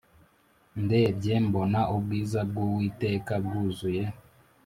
Ndebye mbona ubwiza bw uwiteka bwuzuye